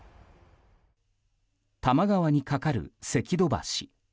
多摩川に架かる関戸橋。